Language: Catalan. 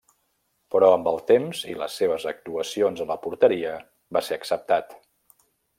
Però amb el temps, i les seves actuacions a la porteria va ser acceptat.